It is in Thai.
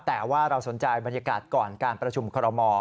แต่ว่าเราสนใจบรรยากาศก่อนการประชุมคอรมอ